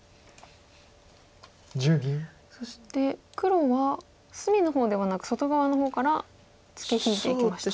そして黒は隅の方ではなく外側の方からツケ引いていきました。